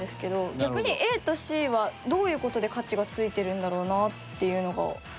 逆にＡとＣはどういう事で価値がついてるんだろうなっていうのがわからなくて。